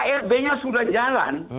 tapi krb nya sudah jalan